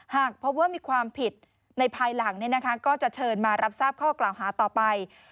หากพบว่ามีความผิดในภายหลังก็จะเชิญมารับทราบข้อกล่าวหาต่อไป